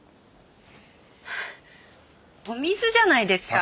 お水じゃないですか。